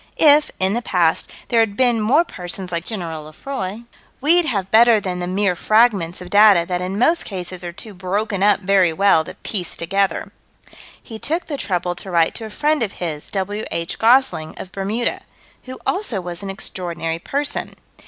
If, in the past, there had been more persons like General Lefroy, we'd have better than the mere fragments of data that in most cases are too broken up very well to piece together. He took the trouble to write to a friend of his, W.H. Gosling, of Bermuda who also was an extraordinary person.